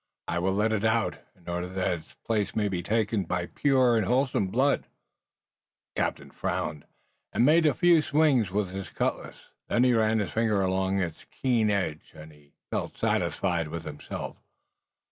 I will let it out, in order that its place may be taken by pure and wholesome blood." The captain frowned, and made a few swings with his cutlass. Then he ran a finger along its keen edge, and he felt satisfied with himself.